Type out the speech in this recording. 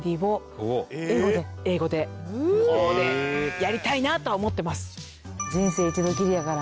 やりたいなとは思ってます。